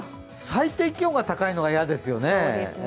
最低気温が高いのが嫌ですよね。